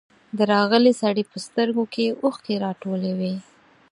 د راغلي سړي په سترګو کې اوښکې راټولې وې.